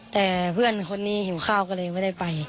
แต่เพื่อนคนนี้หิวข้าวก็เลยไม่ได้ไป